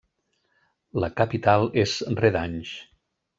La capital és Redange.